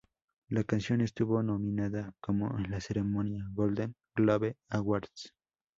La canción estuvo nominada como en la ceremonia Golden Globe Awards.